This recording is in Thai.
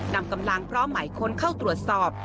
นำกำลังพร้อมหมายค้นเข้าตรวจสอบ